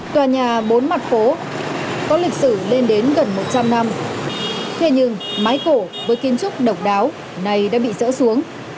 tòa nhà bốn mặt phố có lịch sử lên đến gần một trăm linh năm thế nhưng mái cổ với kiến trúc độc đáo này đã bị dỡ xuống